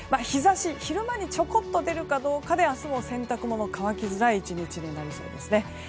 日差し、昼間にちょこっと出るかどうかで明日も洗濯物が乾きづらい１日になりそうです。